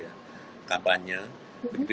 ya jadi sama dengan hal yang tadi